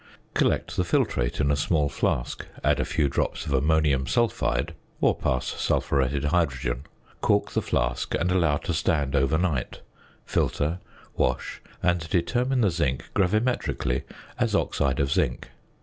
Collect the filtrate in a small flask, add a few drops of ammonium sulphide or pass sulphuretted hydrogen, cork the flask, and allow to stand overnight; filter, wash, and determine the zinc gravimetrically as oxide of zinc.